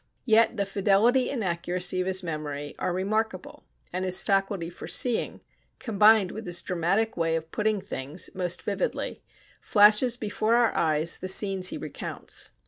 Yet the fidelity and accuracy of his memory are remarkable, and his faculty for seeing, combined with his dramatic way of putting things most vividly, flashes before our eyes the scenes he recounts.